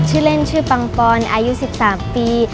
ชื่อเล่นชื่อปังปอนอายุ๑๓ปี